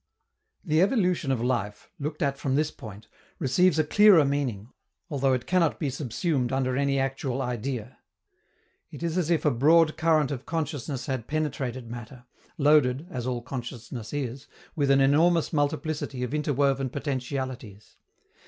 The evolution of life, looked at from this point, receives a clearer meaning, although it cannot be subsumed under any actual idea. It is as if a broad current of consciousness had penetrated matter, loaded, as all consciousness is, with an enormous multiplicity of interwoven potentialities.